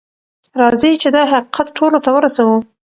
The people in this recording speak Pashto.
راځئ چې دا حقیقت ټولو ته ورسوو.